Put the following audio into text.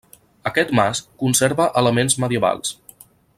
Aquest mas conserva elements medievals.